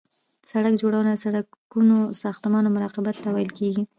سرک جوړونه د سرکونو ساختمان او مراقبت ته ویل کیږي